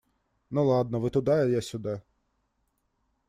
Ну ладно, вы туда, а я сюда.